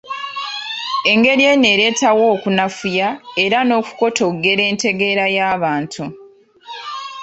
Engeri eno ereetawo okunafuya era n’okukotoggera entegeera y’abantu.